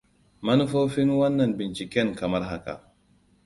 Manufofin wannan binciken kamar haka: